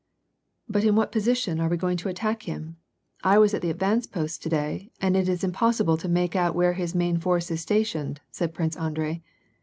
" But in what position are we going to attack him ? I was at the advanced posts to day, and it is impossible to make out where his main force is stationed," said Prince Andrei.